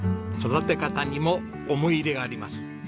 育て方にも思い入れがあります。